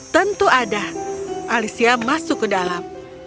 tentu ada alicia masuk ke dalam